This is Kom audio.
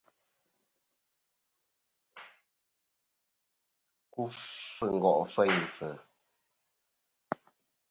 Ku fɨ ngo' feyn fɨ̀.